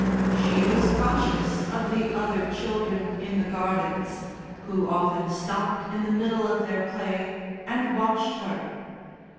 She was conscious of the other children in the gardens, who often stopped in the middle of their play and watched her.